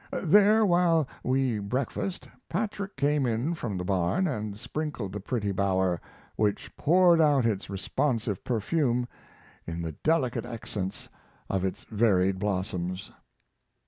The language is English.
There, while we breakfasted, Patrick came in from the barn and sprinkled the pretty bower, which poured out its responsive perfume in the delicate accents of its varied blossoms.